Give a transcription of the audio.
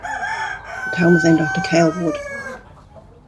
The town was named after Cale Wardell.